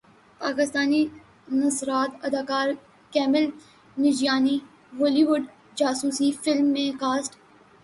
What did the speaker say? پاکستانی نژاد اداکار Kumail Nanjiani Hollywood جاسوسی فلم میں کاسٹ